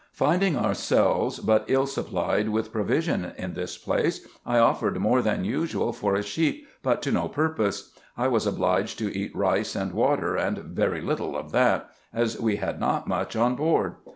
Finding ourselves but ill supplied with pro vision in this place, I offered more than usual for a sheep, but to no purpose : I was obliged to eat rice and water, and very little of that, as we had not much on board.